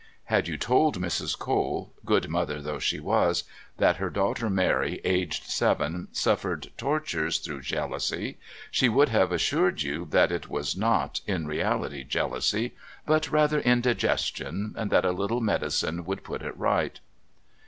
Had you told Mrs. Cole good mother though she was that her daughter Mary, aged seven, suffered tortures through jealousy, she would have assured you that it was not, in reality, jealousy, but rather indigestion, and that a little medicine would put it right.